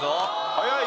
早い！